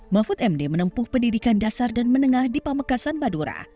mahfud md menempuh pendidikan dasar dan menengah di pamekasan madura